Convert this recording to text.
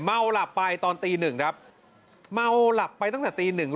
หลับไปตอนตีหนึ่งครับเมาหลับไปตั้งแต่ตีหนึ่ง